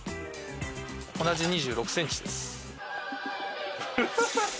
同じ２６ｃｍです。